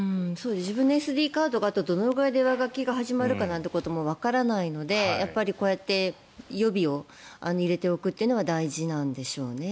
自分のＳＤカードがあとどれくらいで上書きが始まるかなんてこともわからないのでやっぱりこうやって予備を入れておくというのが大事なんでしょうね。